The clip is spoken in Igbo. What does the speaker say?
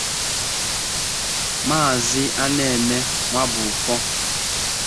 Maazị Anene Nwabufor